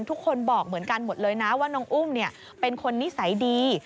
ทุกคนบอกเหมือนกันหมดเลยนะว่าน้องอุ้มเป็นคนนิสัยดี